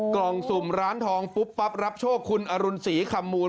กล่องสุ่มร้านทองปุ๊บปั๊บรับโชคคุณอรุณศรีคำมูล